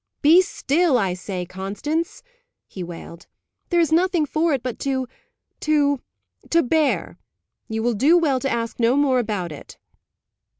"Be still, I say, Constance," he wailed. "There is nothing for it but to to to bear. You will do well to ask no more about it."